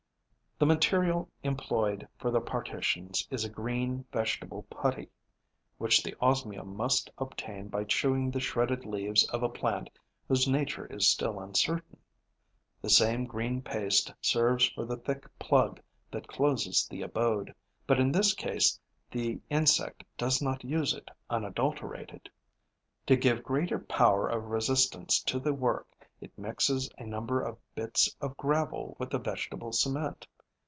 The material employed for the partitions is a green, vegetable putty, which the Osmia must obtain by chewing the shredded leaves of a plant whose nature is still uncertain. The same green paste serves for the thick plug that closes the abode. But in this case the insect does not use it unadulterated. To give greater power of resistance to the work, it mixes a number of bits of gravel with the vegetable cement.